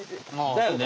だよね。